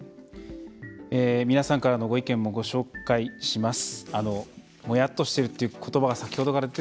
皆さんからのご意見もご紹介します。